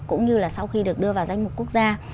cũng như là sau khi được đưa vào danh mục quốc gia